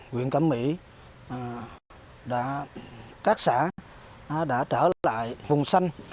quyện cẩm mỹ các xã đã trở lại vùng xanh